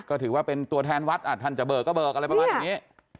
ก็ถือว่าเป็นตัวแทนวัดท่านจะเบิกก็เบิกอะไรประมาณอย่างนี้